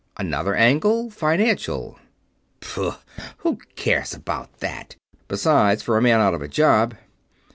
"Another angle financial." "Pooh! Who cares about that? Besides, for a man out of a job...."